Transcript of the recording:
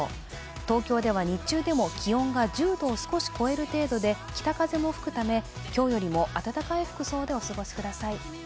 東京では日中でも気温が１０度を少し超える程度で、北風も吹くため、今日よりも暖かい服装でお過ごしください。